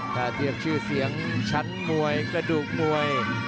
พร้อมเซี่ยมชั้นมวยกระดูกมวย